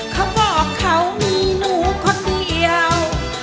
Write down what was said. เขาบอกเขามีหนูคนเดียว